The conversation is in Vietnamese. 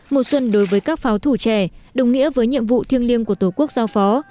mùa xuân đối với các pháo thủ trẻ đồng nghĩa với nhiệm vụ thiêng liêng của tổ quốc giao phó